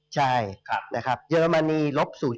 ใช่นะครับเยอรมนีลบ๐